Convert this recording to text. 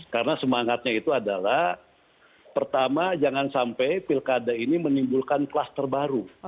karena semangatnya itu adalah pertama jangan sampai pilkada ini menimbulkan klaster baru